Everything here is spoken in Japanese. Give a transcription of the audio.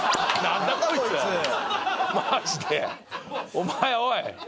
お前おい！